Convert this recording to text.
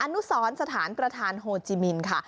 อนุสรรค์สถานกระทานโฮจิมินค่ะ